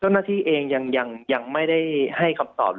เจ้าหน้าที่เองยังไม่ได้ให้คำตอบ